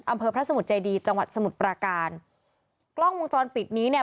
อำเภอพระสมุทรเจดีจังหวัดสมุทรปราการกล้องวงจรปิดนี้เนี่ย